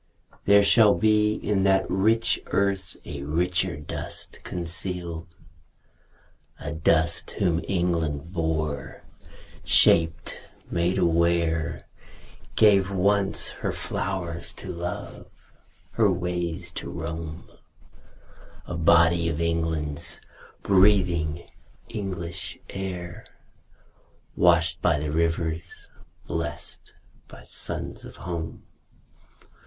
There shall be In that rich earth a richer dust concealed; A dust whom England bore, shaped, made aware, Gave, once, her flowers to love, her ways to roam, A body of England's, breathing English air, Washed by the rivers, blest by suns of home.